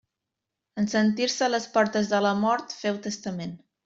En sentir-se a les portes de la mort féu testament.